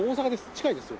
近いですよ。